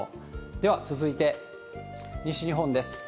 では続いて、西日本です。